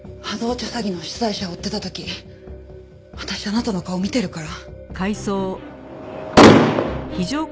詐欺の主催者を追ってた時私あなたの顔見てるから。